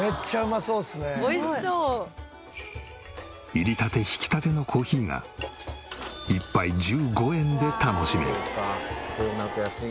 煎りたて挽きたてのコーヒーが１杯１５円で楽しめる。